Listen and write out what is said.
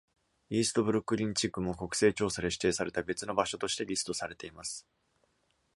イーストブルックリン地区も、国勢調査で指定された別の場所としてリストされています。